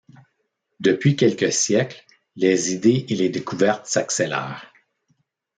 Depuis quelques siècles, les idées et les découvertes s’accélèrent.